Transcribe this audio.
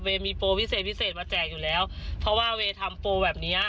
เวย์มีโปรวิเศษมาแจกอยู่แล้วเพราะว่าเวย์ทำโปรแบบนี้